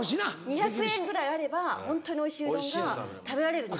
２００円ぐらいあればホントにおいしいうどんが食べられるんです。